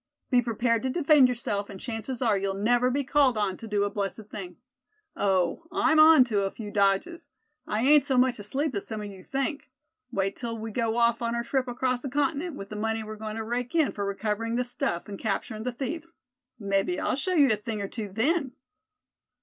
Be prepared to defend yourself, and chances are you'll never be called on to do a blessed thing. Oh! I'm on to a few dodges. I ain't so much asleep as some of you think. Wait till we go off on our trip across the Continent, with the money we're going to rake in for recovering this stuff, an' capturin' the thieves; mebbe I'll show you a thing or two then."